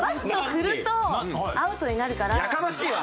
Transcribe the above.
やかましいわ！